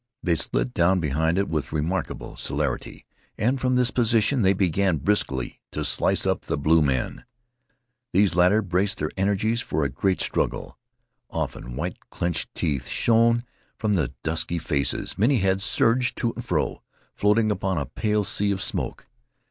They slid down behind it with remarkable celerity, and from this position they began briskly to slice up the blue men. These latter braced their energies for a great struggle. Often, white clinched teeth shone from the dusky faces. Many heads surged to and fro, floating upon a pale sea of smoke.